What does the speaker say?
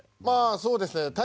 まあそうですね